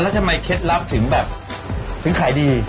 แล้วทำไมเคล็ดลับถึงแบบถึงขายดี